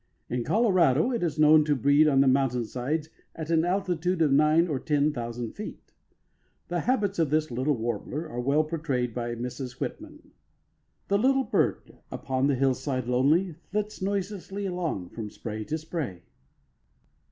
In Colorado it is known to breed on the mountain sides at an altitude of nine or ten thousand feet. The habits of this little warbler are well portrayed by Mrs. Whitman: The little bird upon the hillside lonely, Flits noiselessly along from spray to spray.